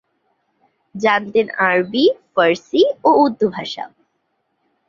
জানতেন আরবি, ফারসি ও উর্দু ভাষা।